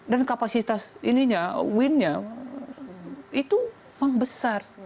dan kapasitas windnya itu emang besar